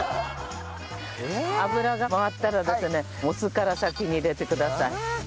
油が回ったらですねお酢から先に入れてください。